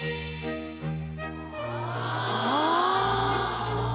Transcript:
ああ。